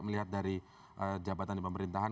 melihat dari jabatan di pemerintahan